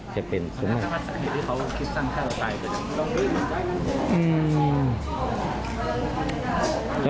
จะเป็นสุดมาก